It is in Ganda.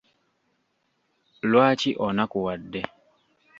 Lwaki onakuwadde?